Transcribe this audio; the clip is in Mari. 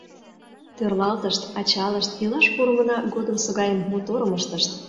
Тӧрлатышт, ачалышт, илаш пурымына годымсо гайым моторым ыштышт.